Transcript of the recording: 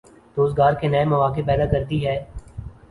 روزگار کے نئے مواقع پیدا کرتی ہے۔